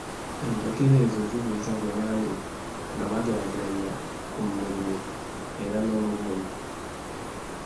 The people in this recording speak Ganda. Enjogera ezo zibuuza ggwe nange, nga bageraageranya ku mulimi era n’omubumbi.